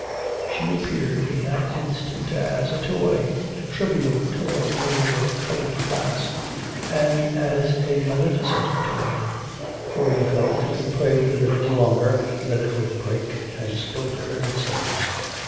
She appeared in that instant as a toy, a trivial toy made of coloured glass; and as a maleficent toy, for he felt if he played with it any longer that it would break and splinter in his fingers.